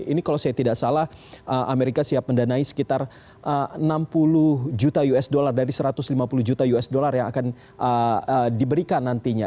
ini kalau saya tidak salah amerika siap mendanai sekitar enam puluh juta usd dari satu ratus lima puluh juta usd yang akan diberikan nantinya